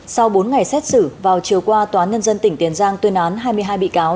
sau bốn ngày xét xử vào chiều qua tòa nhân dân tỉnh tiền giang tuyên án hai mươi hai bị cáo